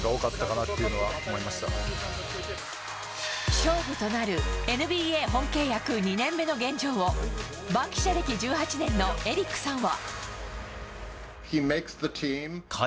勝負となるＮＢＡ本契約２年目の現状を番記者歴１８年のエリックさんは。